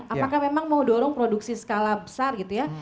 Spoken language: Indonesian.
apakah memang mau dorong produksi skala besar gitu ya